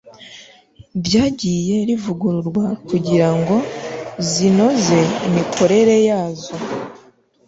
ryagiye rivugururwa kugira ngo zinoze imikorere yazo